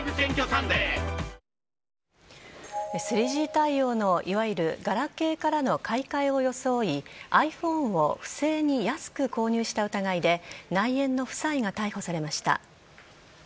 ３Ｇ対応のいわゆるガラケーからの買い替えを装いｉＰｈｏｎｅを不正に安く購入した疑いで内縁の夫妻が逮捕されました。